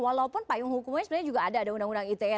walaupun payung hukumnya sebenarnya juga ada ada undang undang ite